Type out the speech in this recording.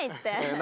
何？